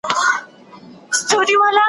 زما یې د شبقدر په ماښام قلم وهلی `